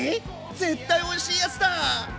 絶対おいしいやつだ！